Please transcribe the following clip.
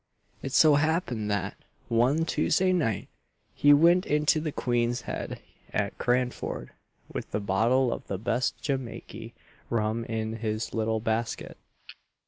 "It so happened that, one Tuesday night, he went into the Queen's Head, at Cranford, with a bottle of the best Jimakey rum in his little basket.